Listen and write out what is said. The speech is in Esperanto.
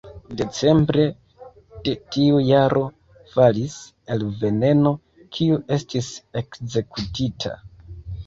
Decembre de tiu jaro falis "el Veneno", kiu estis ekzekutita.